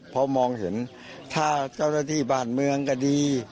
เพราะมองเห็นถ้าเจ้าหน้าที่บ้านเมืองก็ดี